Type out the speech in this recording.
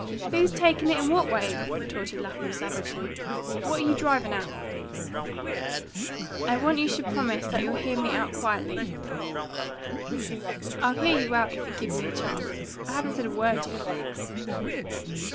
"Who's takin' it what way?" retorted Lapham savagely. "What are you drivin' at?" "I want you should promise that you'll hear me out quietly." "I'll hear you out if you'll give me a chance. I haven't said a word yet."